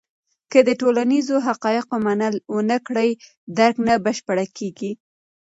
که د ټولنیزو حقایقو منل ونه کړې، درک نه بشپړېږي.